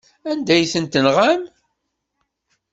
Anda ay ten-tenɣam?